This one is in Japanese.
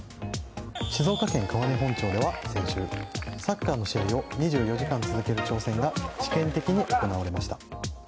静岡県川根本町では先週サッカーの試合を２４時間続ける挑戦が試験的に行われました。